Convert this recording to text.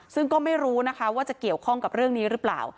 ซึ่งก็ไม่รู้นะคะว่าจะเกี่ยวข้องกับเรื่องนี้หรือเปล่า